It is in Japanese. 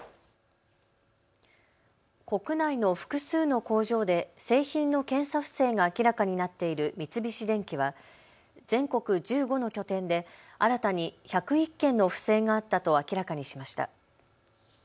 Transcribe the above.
国内の複数の工場で製品の検査不正が明らかになっている三菱電機は全国１５の拠点で新たに１０１件の不正があったと明らかにしました。